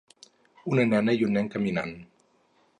Una nena i un nen caminant.